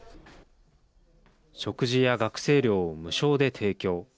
食事や学生寮を無償で提供。